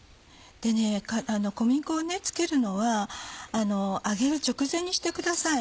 小麦粉をつけるのは揚げる直前にしてください。